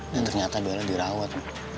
dan ternyata bella dirawat